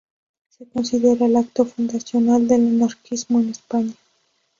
Se considera el acto fundacional del anarquismo en España.